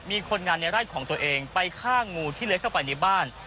มีคนงานในไร่ของตัวเองไปฆ่างูที่เล็กเข้าไปในบ้าน